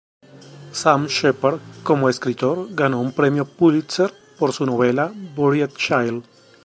Sam Shepard como escritor, ganó un Premio Pulitzer por su novela "Buried Child".